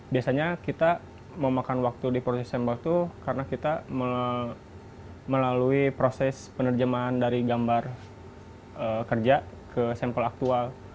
biasanya kita memakan waktu di proses sampel itu karena kita melalui proses penerjemahan dari gambar kerja ke sampel aktual